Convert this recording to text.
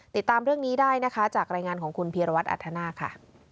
ติดตามเรื่องนี้ได้นะคะจากรายงานของคุณพีรวัตรอัธนาคค่ะ